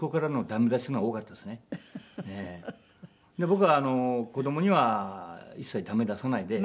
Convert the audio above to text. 僕は子どもには一切ダメ出さないで。